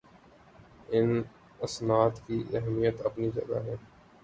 ان اسناد کی اہمیت اپنی جگہ ہے